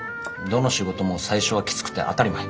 どの仕事も最初はきつくて当たり前。